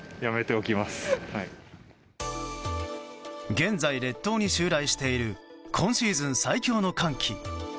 現在、列島に襲来している今シーズン最強の寒気。